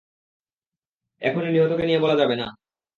এখনই নিহতকে নিয়ে বলা যাবে না?